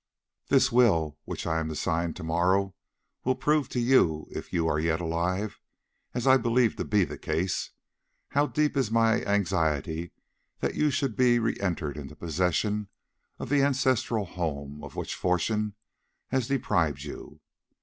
"The will which I am to sign to morrow will prove to you if you are yet alive, as I believe to be the case, how deep is my anxiety that you should re enter into possession of the ancestral home of which fortune has deprived you.